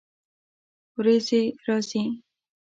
ورېځې راځي